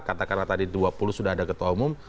kata kata tadi dua puluh sudah ada ketua umum